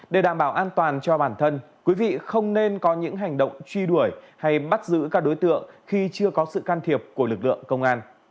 để đảm bảo an toàn cho bản thân quý vị không nên có những hành động truy đuổi hay bắt giữ các đối tượng khi chưa có sự can thiệp của lực lượng công an